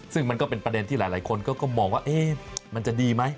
ซึ่งมันก็เป็นประเด็นที่หลายคนก็มองว่ามันจะดีไหม